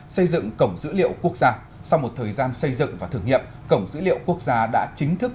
xây dựng cổng dữ liệu quốc gia sau một thời gian xây dựng và thử nghiệm cổng dữ liệu quốc gia đã chính thức